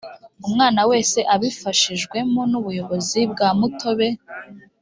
umwana wese abifashijwemo n ubuyobozi bwa mutobe